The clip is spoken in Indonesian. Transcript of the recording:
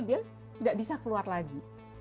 dia tidak bisa keluar lagi